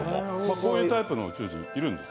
こういうタイプの宇宙人いるんです。